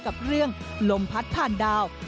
กับเรื่องลมพัดผ่านดาว